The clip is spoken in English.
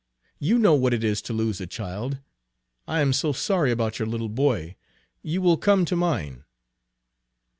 You know what it is to lose a child! I am so sorry about your little boy! You will come to mine!"